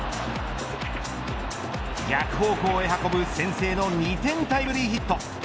逆方向へ運ぶ先制の２点タイムリーヒット。